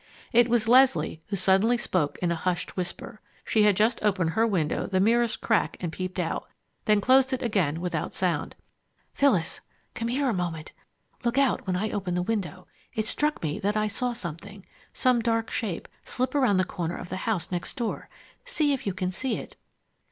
It was Leslie who suddenly spoke in a hushed whisper. She had just opened her window the merest crack and peeped out, then closed it again without sound. "Phyllis, come here a moment. Look out when I open the window. It struck me that I saw something some dark shape slip around the corner of the house next door. See if you can see it."